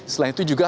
selain itu juga